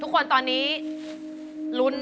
ถ้าพร้อมอินโทรเพลงที่สี่มาเลยครับ